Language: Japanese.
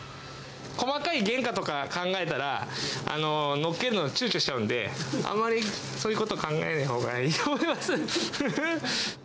細かい原価とか考えたら、のっけるのちゅうちょしちゃうんで、あまりそういうことを考えないほうがいいと思います。